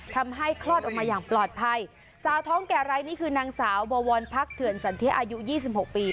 ทำให้คลอดออกมาอย่างปลอดภัยสาวท้องแก่ไรนี่คือนางสาวบวนพักเถื่อนสันเทียอายุ๒๖ปี